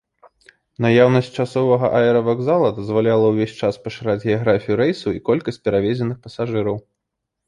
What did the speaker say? Наяўнасць часовага аэравакзала дазваляла ўвесь час пашыраць геаграфію рэйсаў і колькасць перавезеных пасажыраў.